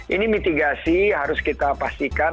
ini mitigasi harus kita pastikan